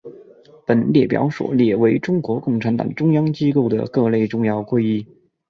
本列表所列为中国共产党中央机构的各类重要会议。